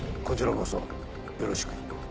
こちらこそよろしく。